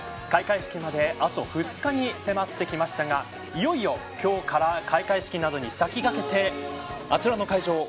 開会式まであと２日に迫ってきましたがいよいよ今日から開会式などに先駆けてあちらの会場